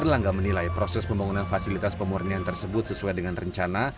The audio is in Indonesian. erlangga menilai proses pembangunan fasilitas pemurnian tersebut sesuai dengan rencana